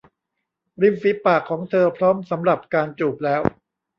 ริมฝีปากของเธอพร้อมสำหรับการจูบแล้ว !